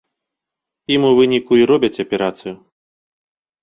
Ім у выніку і робяць аперацыю.